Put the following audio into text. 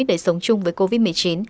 để sống chung với covid một mươi chín